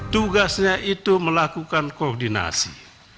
tugasnya itu melakukan koordinasi